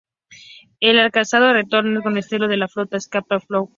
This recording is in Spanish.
El acorazado, retornó con el resto de la flota a Scapa Flow.